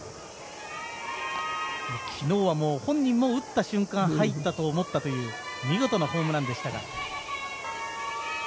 昨日は本人も打った瞬間入ったと思ったという見事なホームランでしたが。